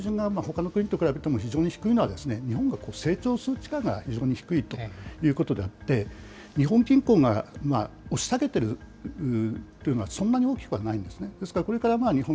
日本の金利の水準がほかの国と比べても非常に低いのは、日本が成長する力が非常に低いということであって、日本銀行が押し下げてるというのは、そんなに大きくはないんですね。